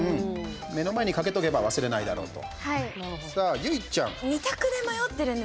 目の前に掛けとけば忘れないだろうと。